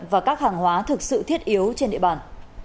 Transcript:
và các hàng hóa thực sự thiết yếu trên địa bàn